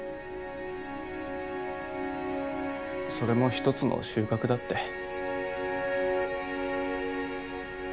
それもひとつの収穫だって。